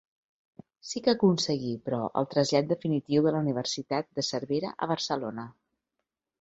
Sí que aconseguí, però, el trasllat definitiu de la Universitat de Cervera a Barcelona.